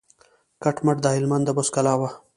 کټ مټ د هلمند د بست کلا وه.